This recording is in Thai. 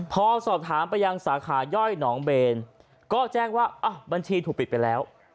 พอสอบถามไปยังสาขาย่อยหนองเบนก็แจ้งว่าบัญชีถูกปิดไปแล้ว